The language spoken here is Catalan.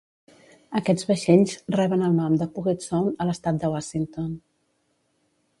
Aquests vaixells reben el nom de Puget Sound a l'estat de Washington.